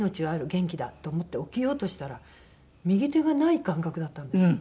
元気だと思って起きようとしたら右手がない感覚だったんですよ。